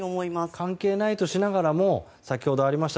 関係ないとしながらもＶＴＲで先ほどありました